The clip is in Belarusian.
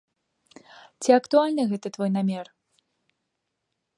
Ці актуальны гэты твой намер?